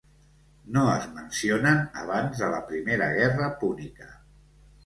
No es mencionen abans de la Primera Guerra Púnica.